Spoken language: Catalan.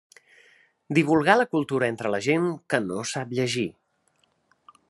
Divulgar la cultura entre la gent que no sap llegir.